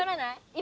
今。